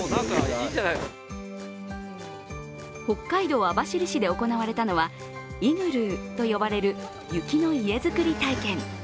北海道網走市で行われたのはイグルーと呼ばれる雪の家造り体験。